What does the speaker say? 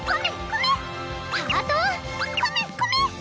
コメコメ！